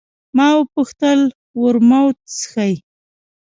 ما وپوښتل: ورموت څښې؟